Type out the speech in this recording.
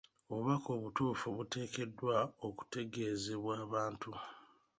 Obubaka obutuufu buteekeddwa okutegeezebwa abantu.